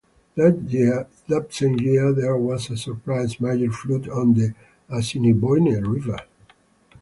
That same year there was a surprise major flood on the Assiniboine River.